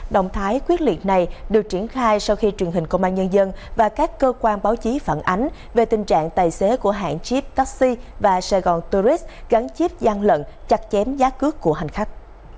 động thái quyết liệt này được triển khai sau khi truyền hình công an nhân dân và các cơ quan báo chí phản ánh về tình trạng tài xế của hãng chip taxi và sài gòn tourist gắn chip gian lận chặt chém giá cước của hành khách